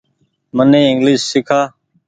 مني انگليش سيڪآ۔